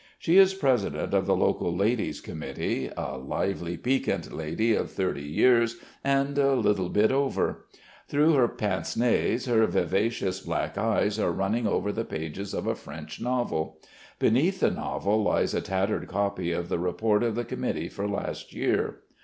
She is president of the local ladies' committee, a lively, piquant lady of thirty years and a little bit over. Through her pince nez her vivacious black eyes are running over the pages of a French novel. Beneath the novel lies a tattered copy of the report of the committee for last year.